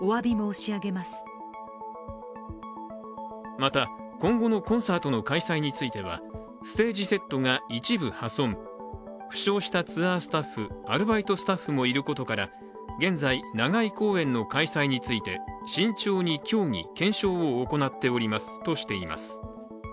また、今後のコンサートの開催についてはステージセットが一部破損負傷したツアースタッフ、アルバイトスタッフもいることから現在、長居公演の開催について慎重に協議・検証を行っておりますとしています。